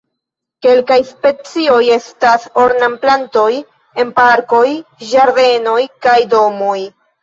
Kelkaj specioj estas ornamplantoj en parkoj, ĝardenoj kaj domoj.